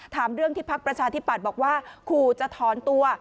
ถามเรื่องที่พักประชาธิปัตย์บอกว่าขู่จะถอนตัว